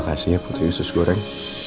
makasih ya putri yusus goreng